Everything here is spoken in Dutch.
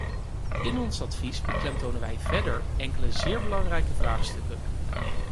In ons advies beklemtonen wij verder enkele zeer belangrijke vraagstukken.